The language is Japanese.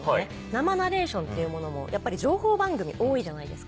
生ナレーションっていうものもやっぱり情報番組多いじゃないですか。